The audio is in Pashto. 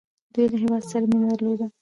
دوی له هیواد سره مینه درلوده.